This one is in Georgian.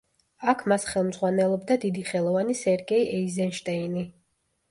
აქ მას ხელმძღვანელობდა დიდი ხელოვანი სერგეი ეიზენშტეინი.